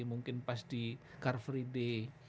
mungkin pas di car free day